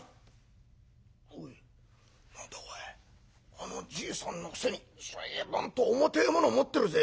あのじいさんのくせに随分と重てえもの持ってるぜ！